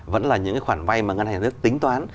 vẫn là những khoản vay mà ngân hàng nước tính toán